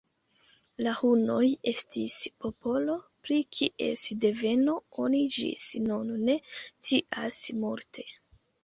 La hunoj estis popolo, pri kies deveno oni ĝis nun ne scias multe.